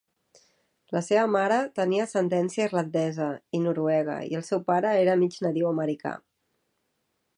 La seva mare tenia ascendència irlandesa i noruega, i el seu pare era mig nadiu americà.